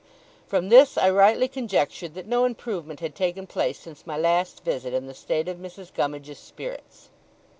From this I rightly conjectured that no improvement had taken place since my last visit in the state of Mrs. Gummidge's spirits.